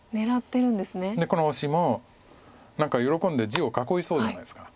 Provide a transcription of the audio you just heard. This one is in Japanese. このオシも何か喜んで地を囲いそうじゃないですか。